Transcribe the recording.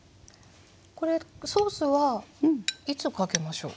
これソースはいつかけましょう？